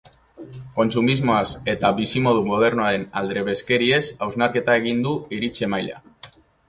Kontsumismoaz eta bizimodu modernoaren aldrebeskeriez hausnarketa egin du iritzi-emaileak.